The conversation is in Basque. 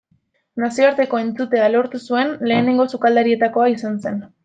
Nazioarteko entzutea lortu zuen lehenengo sukaldarietakoa izan zen.